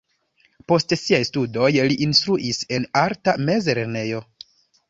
Post siaj studoj li instruis en arta mezlernejo.